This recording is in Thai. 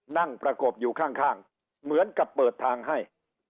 ประกบอยู่ข้างเหมือนกับเปิดทางให้